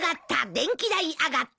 「電気代上がった」